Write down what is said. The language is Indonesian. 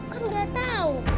kan gak tau